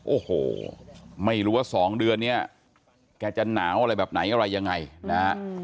โอ้โหไม่รู้ว่า๒เดือนเนี่ยแกจะหนาวอะไรแบบไหนอะไรยังไงนะฮะ